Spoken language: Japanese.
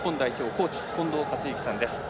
コーチ近藤克之さんです。